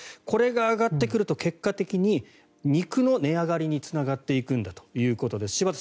これが上がってくると結果的に肉の値上がりにつながっていくんだということです。